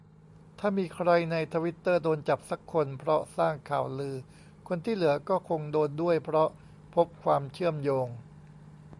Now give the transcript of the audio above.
ถ้ามีใครในทวิตเตอร์โดนจับซักคน เพราะสร้างข่าวลือ คนที่เหลือก็คงโดนด้วย เพราะพบ"ความเชื่อมโยง"